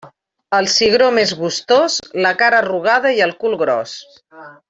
El cigró més gustós: la cara arrugada i el cul gros.